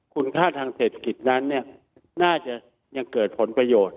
คุณค่าทางเศรษฐกิจนั้นน่าจะยังเกิดผลประโยชน์